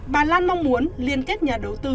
bà lan mong muốn liên kết nhà đầu tư